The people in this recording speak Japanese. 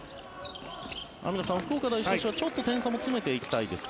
網野さん、福岡第一としてはちょっと点差も詰めていきたいですか？